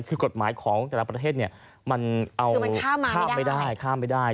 คือกฎหมายของแต่ละประเทศเนี่ยมันข้ามไม่ได้